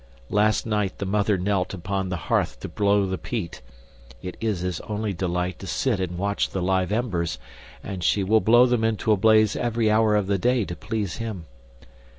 Last night the mother knelt upon the hearth to blow the peat (it is his only delight to sit and watch the live embers, and she will blow them into a blaze every hour of the day to please him).